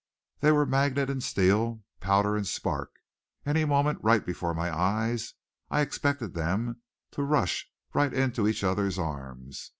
They were magnet and steel, powder and spark. Any moment, right before my eyes, I expected them to rush right into each other's arms.